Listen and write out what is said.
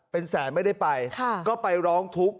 เป็นแสนไม่ได้ไปก็ไปร้องทุกข์